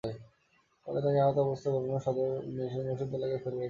পরে তাঁকে আহত অবস্থায় বরগুনা সদরঘাট মসজিদ এলাকায় ফেলে রেখে যায়।